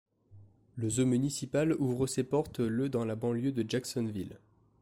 Le zoo municipal ouvre ses portes le dans la banlieue de Jacksonville.